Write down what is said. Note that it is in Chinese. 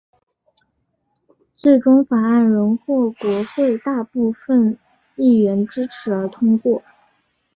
最终法案仍获国会大部份议员支持而通过。